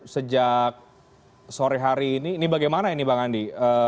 sejak sore hari ini ini bagaimana ini bang andi